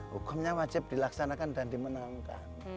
hukumnya wajib dilaksanakan dan dimenangkan